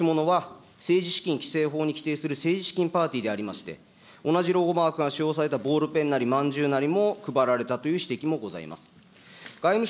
この催しものは政治資金規正法に政治資金パーティーでありまして、同じロゴマークが使用されたボールペンなりまんじゅうなりも配られたという指摘もございます。